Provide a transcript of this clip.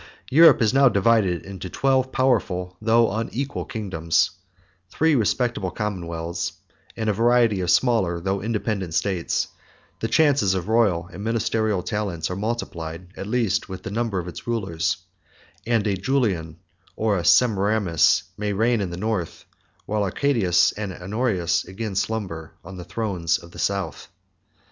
Europe is now divided into twelve powerful, though unequal kingdoms, three respectable commonwealths, and a variety of smaller, though independent, states: the chances of royal and ministerial talents are multiplied, at least, with the number of its rulers; and a Julian, or Semiramis, may reign in the North, while Arcadius and Honorius again slumber on the thrones of the South.